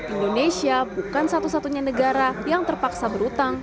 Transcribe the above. indonesia bukan satu satunya negara yang terpaksa berutang